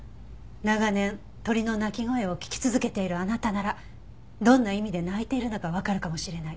長年鳥の鳴き声を聞き続けているあなたならどんな意味で鳴いているのかわかるかもしれない。